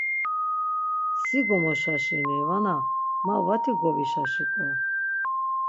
Si gomoşaşini vana ma vati govişaşiǩo.